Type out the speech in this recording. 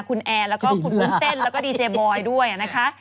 คุณแอร์แล้วก็คุณวุ้นเส้นแล้วก็ดีเจบอยด้วยนะคะ